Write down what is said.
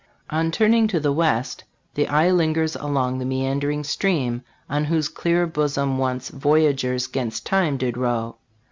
On turning to the west, the eye lingers along the meandering stream on whose clear bosom once " Voyagers 'gainst time did row."